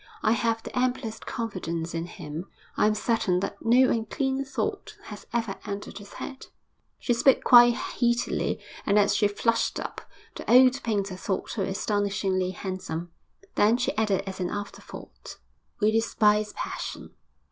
I have the amplest confidence in him. I am certain that no unclean thought has ever entered his head.' She spoke quite heatedly, and as she flushed up, the old painter thought her astonishingly handsome. Then she added as an afterthought, 'We despise passion.